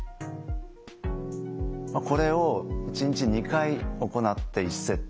これを１日２回行って１セット。